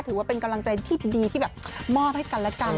ถือว่าเป็นกำลังใจที่ดีที่แบบมอบให้กันและกัน